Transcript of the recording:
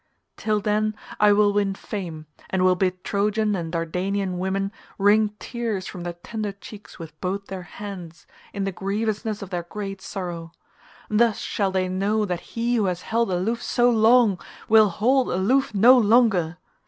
Till then I will win fame, and will bid Trojan and Dardanian women wring tears from their tender cheeks with both their hands in the grievousness of their great sorrow; thus shall they know that he who has held aloof so long will hold aloof no longer.